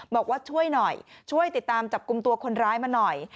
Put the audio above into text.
บอกว่าช่วยหน่อยช่วยติดตามจับกลุ่มตัวคนร้ายมาหน่อย